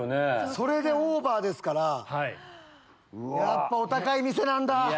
それでオーバーですからやっぱお高い店なんだ。